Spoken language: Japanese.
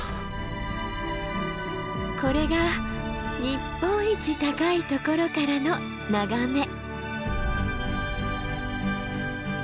これが日本一高いところからの眺め。